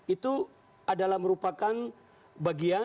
itu adalah merupakan bagian dari persoalan yang harus dituntaskan